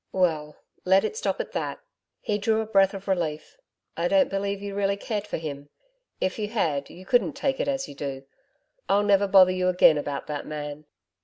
'Well, let it stop at that.' He drew a breath of relief. 'I don't believe you really cared for him. If you had, you couldn't take it as you do. I'll never bother you again about that man.